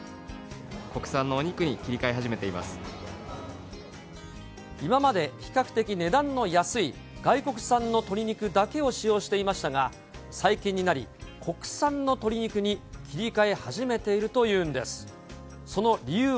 国産のお肉に切り替え始めて今まで、比較的値段の安い外国産の鶏肉だけを使用していましたが、最近になり、国産の鶏肉に切り替え始めているというんです。